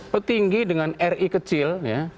petinggi dengan ri kecil